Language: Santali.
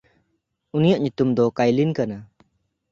ᱩᱱᱤᱭᱟᱜ ᱧᱩᱛᱩᱢ ᱫᱚ ᱠᱟᱭᱞᱤᱱ ᱠᱟᱱᱟ᱾